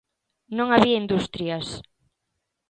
Non había industrias.